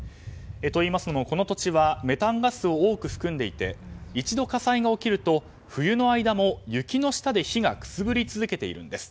といいますのも、この土地はメタンガスを多く含んでいて一度火災が起きると冬の間も雪の下で火がくすぶり続けているんです。